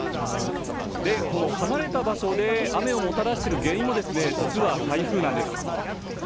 離れた場所で雨をもたらしている原因も実は、台風なんです。